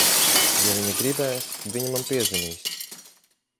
Ja viņa gribēs, viņa man piezvanīs.